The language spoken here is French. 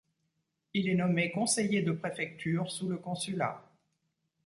Il est nommé conseiller de préfecture sous le Consulat.